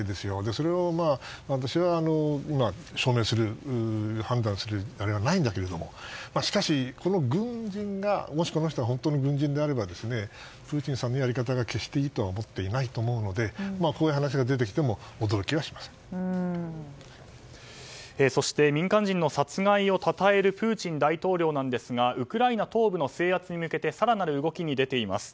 それを私は判断する材料はないんだけどもしかし、もしこの人が本当に軍人であればプーチンさんのやり方が決していいとは思っていないと思うのでこういう話が出てきてもそして民間人の殺害をたたえるプーチン大統領なんですがウクライナ東部の制圧に向けて更なる動きに出ています。